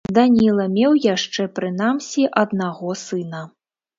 Даніла меў яшчэ прынамсі аднаго сына.